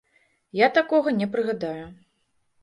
Я такога не прыгадаю.